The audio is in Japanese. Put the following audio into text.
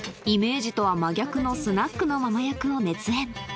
イメージとは真逆のスナックのママ役を熱演